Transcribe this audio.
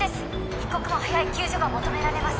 一刻も早い救助が求められます